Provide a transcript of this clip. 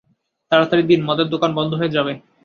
তারাতাড়ি দিন মদের দোকান বন্ধ হয়ে যাবে।